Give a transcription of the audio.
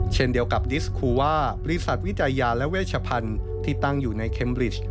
เช่นเดียวกับดิสคูว่าบริษัทวิจัยยาและเวชพันธุ์ที่ตั้งอยู่ในเคมริช